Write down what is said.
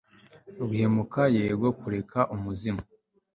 Guhumeka yego kureka umuzimu